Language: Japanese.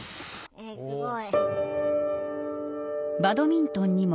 えっすごい。